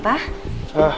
pak pake back back aja